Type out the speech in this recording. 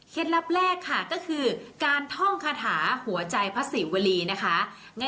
ลับแรกค่ะก็คือการท่องคาถาหัวใจพระศรีวรีนะคะ